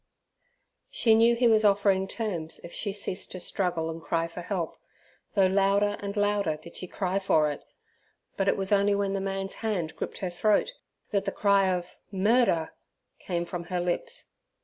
She knew he was offering terms if she ceased to struggle and cry for help, though louder and louder did she cry for it, but it was only when the man's hand gripped her throat, that the cry of "Murder" came from her lips.